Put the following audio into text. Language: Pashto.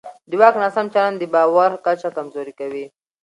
د واک ناسم چلند د باور کچه کمزوری کوي